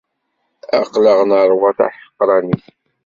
Aql-aɣ neṛwa tamḥeqranit.